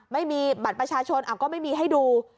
ไม่มีบัตรประชาชนก็ไม่มีให้ดู